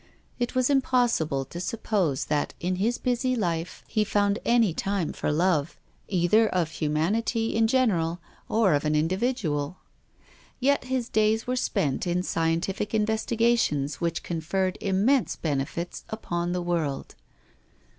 It was impossible to suppose that, in his busy life, he 269 270 TONGUES OF CONSCIENCE. found any time for love, either of humanity in general or of an individual. Yet his days were spent in scientific investiga tions which conferred immense benefits upon the world.